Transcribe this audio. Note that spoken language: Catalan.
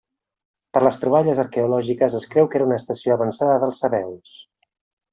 Per les troballes arqueològiques es creu que era una estació avançada dels sabeus.